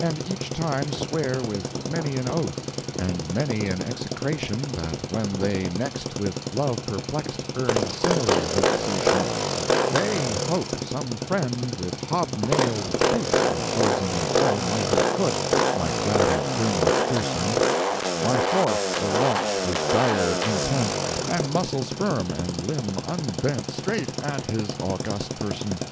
And each time swear with many an oath. And many an execration That when they next, With love perplexed Earn similar vexation: They hope some friend with hob nailed boot Inclosing an almighty foot (Like that of grim McPherson) My fourth will launch with dire intent, And muscles firm, and limb unbent Straight at his august person!